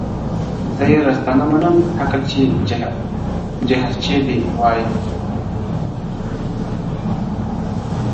زه يې رسته نه منم عقل چي جهرچي دی وايي~